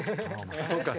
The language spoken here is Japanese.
そうか。